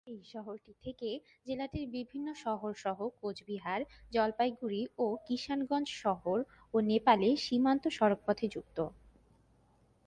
এই শহরটি থেকে জেলাটির বিভিন্ন শহরসহ কোচবিহার, জলপাইগুড়ি ও কিশানগঞ্জ শহর ও নেপালে সীমান্ত সড়কপথে যুক্ত।